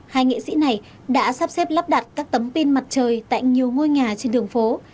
hai nghệ sĩ này đã sắp xếp lắp đặt các tấm pin mặt trời tại nhiều ngôi nhà trên đường phố